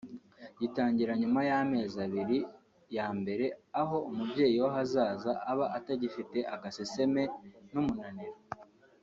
gitangira nyuma y’amezi abiri ya mbere aho umubyeyi w’ahazaza aba atagifite agaseseme n’umunaniro